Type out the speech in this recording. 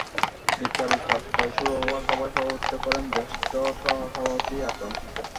বিকেল চারটায় শুরু হওয়া সভায় সভাপতিত্ব করেন জ্যেষ্ঠ সহসভাপতি আকরাম হোসেন।